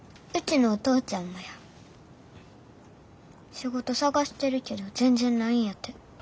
仕事探してるけど全然ないんやて。